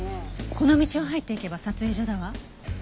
この道を入っていけば撮影所だわ。